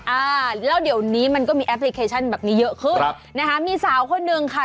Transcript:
อ่าแล้วเดี๋ยวนี้มันก็มีแอปพลิเคชันแบบนี้เยอะขึ้นครับนะคะมีสาวคนหนึ่งค่ะ